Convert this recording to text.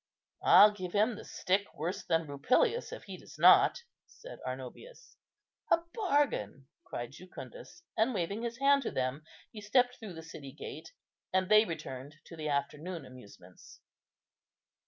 "I'll give him the stick worse than Rupilius, if he does not," said Arnobius. "A bargain," cried Jucundus; and, waving his hand to them, he stept through the city gate, and they returned to their afternoon amusements.